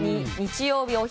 日曜日